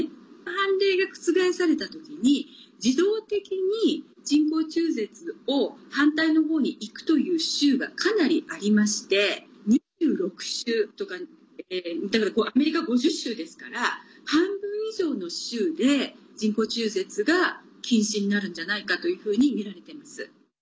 判例が覆されたときに自動的に人工中絶を反対のほうにいくという州がかなりありまして２６州とかアメリカ５０州ですから半分以上の州で人工中絶が禁止になるんじゃないかというふうにみられています。